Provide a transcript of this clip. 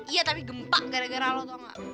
iya tapi gempa gara gara lo tau gak